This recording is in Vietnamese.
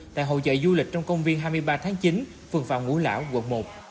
tại hội dạy du lịch trong công viên hai mươi ba tháng chín phường phạm ngũ lão quận một